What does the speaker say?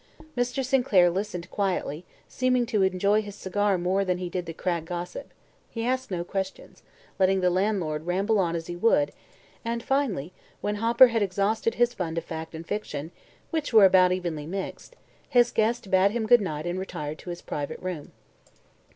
Mr. Sinclair listened quietly, seeming to enjoy his cigar more than he did the Cragg gossip. He asked no questions, letting the landlord ramble on as he would, and finally, when Hopper had exhausted his fund of fact and fiction, which were about evenly mixed, his guest bade him good night and retired to his private room.